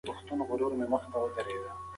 ده د محکمو خپلواکي ساتله.